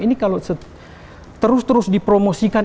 ini kalau terus terus dipromosikan